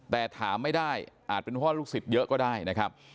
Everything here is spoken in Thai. แต่ถามไม่ได้อาจเป็นพ่อลูกศิษย์เยอะก็ได้นะครับ